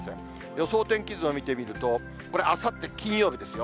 予想天気図を見てみると、これ、あさって金曜日ですよ。